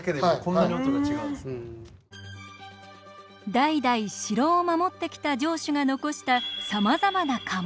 代々城を守ってきた城主が残したさまざまな家紋。